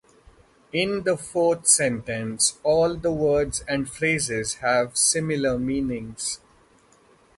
In the fourth sentence, all the words and phrases have similar meanings.